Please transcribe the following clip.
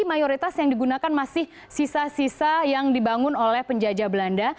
mayoritas yang digunakan masih sisa sisa yang dibangun oleh penjajah belanda